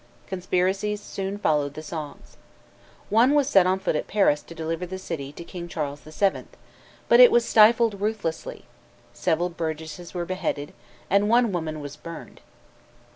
Conspiracies soon followed the songs. One was set on foot at Paris to deliver the city to king Charles VII., but it was stifled ruthlessly; several burgesses were beheaded, and one woman was burned.